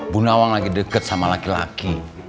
bu nawang lagi deket sama laki laki